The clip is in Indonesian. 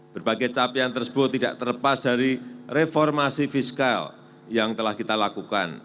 berbagai capaian tersebut tidak terlepas dari reformasi fiskal yang telah kita lakukan